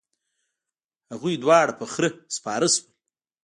هغوی دواړه په خره سپاره شول.